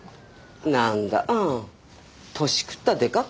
なんだぁ年食ったデカか。